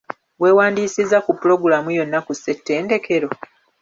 Weewandiisizza ku pulogulaamu yonna ku ssettendekero?